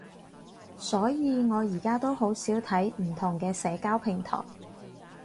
所以我而家都好少睇唔同嘅社交平台